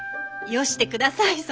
よしてください